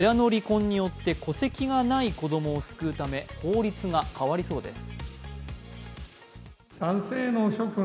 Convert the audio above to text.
親の離婚によって戸籍がない子供を救うため、法律が変わりそうです